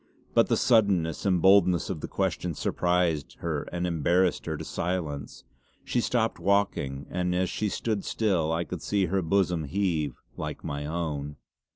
But the suddenness and boldness of the question surprised her and embarrassed her to silence. She stopped walking, and as she stood still I could see her bosom heave like my own.